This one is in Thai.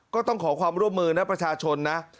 ก็ต้องขอยน้ำร่วมมือนักประชาชนนะ